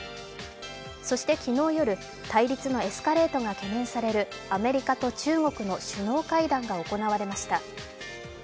そして昨日夜、対立のエスカレートが懸念されるアメリカと中国の首脳会談が行われました。